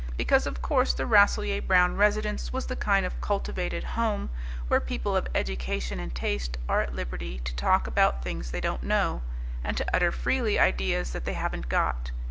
Because, of course, the Rasselyer Brown residence was the kind of cultivated home where people of education and taste are at liberty to talk about things they don't know, and to utter freely ideas that they haven't got.